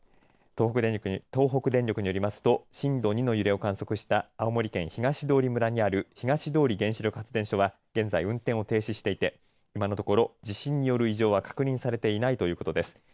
東北電力によりますと震度２の揺れを観測した青森県東通村にある東通原子力発電所は現在、運転を停止していて今のところ地震による異常は確認されていないということです。